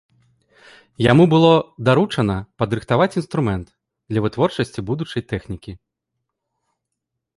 Яму было даручана падрыхтаваць інструмент для вытворчасці будучай тэхнікі.